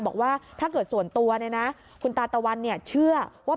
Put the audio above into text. บอกว่าถ้าเกิดส่วนตัวคุณตาตะวัลเชื่อว่า